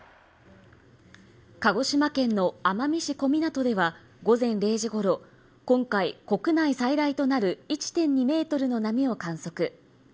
鹿児島県の奄美市小湊では午前０時ごろ今回、国内最大となる１．２ｍの波を観測。